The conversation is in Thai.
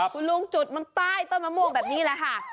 คุณลุงจุดมันใต้ต้นมะม่วงแบบนี้แหละค่ะ